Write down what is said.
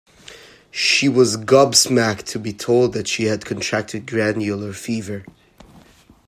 She was gobsmacked to be told that she had contracted glandular fever